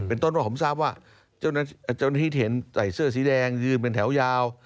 เป็นต้นว่าผมทราบว่าเจ้าหน้าที่เห็นใส่เสื้อสีแดงยืนเป็นแถวยาว